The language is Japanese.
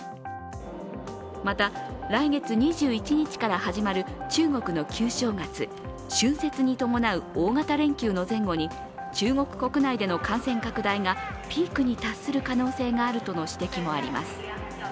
また来月２１日から始まる中国の旧正月、春節に伴う大型連休の前後に中国国内での感染拡大がピークに達する可能性があるとの指摘もあります。